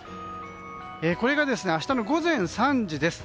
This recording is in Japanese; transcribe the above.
これが明日の午前３時です。